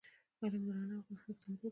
علم د رڼا او پرمختګ سمبول دی.